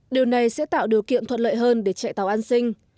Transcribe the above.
điều này sẽ tạo điều kiện thuận lợi hơn để chạy tàu an sinh